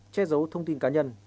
che giấu thông tin cá nhân